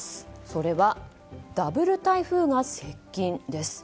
それはダブル台風が接近です。